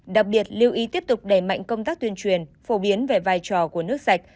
đặc biệt lưu ý tiếp tục đẩy mạnh công tác tuyên truyền phổ biến về vai trò của nước sạch